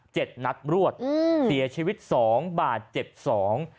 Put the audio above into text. เจ็ดนัดรวดอืมเสียชีวิตสองบาทเจ็บสอง